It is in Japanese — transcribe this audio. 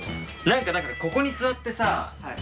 何かだからここに座ってさ。